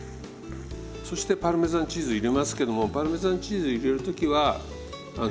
そしてパルメザンチーズ入れますけどもパルメザンチーズ入れる時は火を止めましょう。